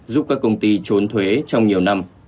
giúp các công ty trốn thuế trong nhiều năm